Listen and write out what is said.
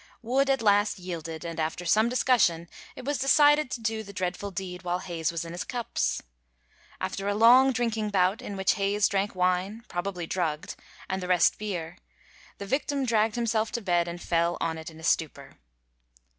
Wood at last yielded, and after some discussion it was decided to do the dreadful deed while Hayes was in his cups. After a long drinking bout, in which Hayes drank wine, probably drugged, and the rest beer, the victim dragged himself to bed and fell on it in a stupor.